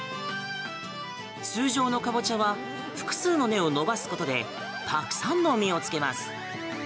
通常のカボチャは複数の根を伸ばすことでたくさんの実をつけます。